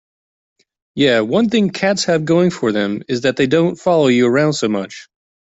Yeah, one thing cats have going for them is that they don't follow you around so much.